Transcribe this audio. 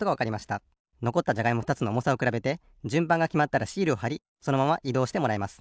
のこったじゃがいもふたつのおもさをくらべてじゅんばんがきまったらシールをはりそのままいどうしてもらいます。